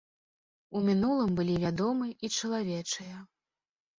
У мінулым былі вядомы і чалавечыя.